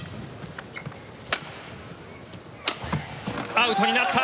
アウトになった。